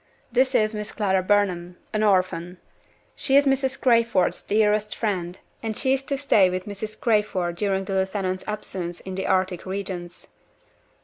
This is Miss Clara Burnham an orphan. She is Mrs. Crayford's dearest friend, and she is to stay with Mrs. Crayford during the lieutenant's absence in the Arctic regions.